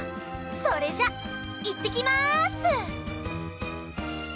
それじゃいってきます！